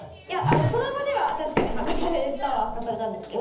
その場では確かに履かされたは履かされたんですけど。